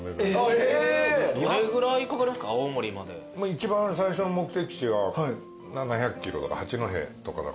一番最初の目的地は７００ｋｍ八戸とかだから。